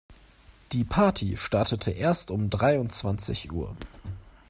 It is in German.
Die Party startete erst um dreiundzwanzig Uhr?